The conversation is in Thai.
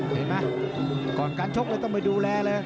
เห็นไหมก่อนการชกเลยต้องไปดูแลเลย